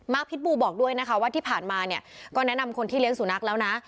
พิษบูบอกด้วยนะคะว่าที่ผ่านมาเนี่ยก็แนะนำคนที่เลี้ยสุนัขแล้วนะ